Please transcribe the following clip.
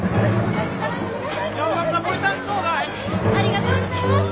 ありがとうございます。